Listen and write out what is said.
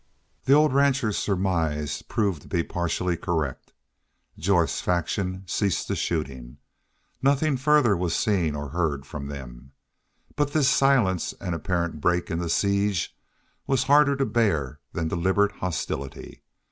The old rancher's surmise proved to be partially correct. Jorth's faction ceased the shooting. Nothing further was seen or heard from them. But this silence and apparent break in the siege were harder to bear than deliberate hostility.